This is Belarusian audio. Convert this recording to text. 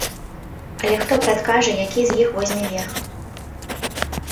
Але хто прадкажа, які з іх возьме верх?